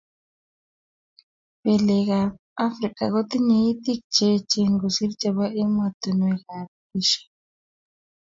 Belek tab Africa kotinye itik cheechen kosir chebo emotinwek kab Asia